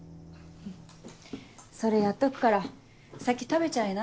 それやっとくから先食べちゃいな。